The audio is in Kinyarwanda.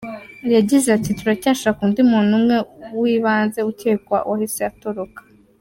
Yagize ati "Turacyashaka undi muntu umwe, uw’ibanze ukekwa wahise atoroka.